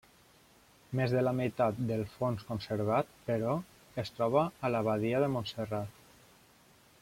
Més de la meitat del fons conservat, però, es troba a l'Abadia de Montserrat.